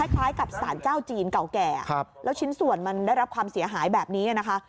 คล้ายกับสารเจ้าจีนเก่าแก่แล้วชิ้นส่วนมันได้รับความเสียหายแบบนี้นะคะ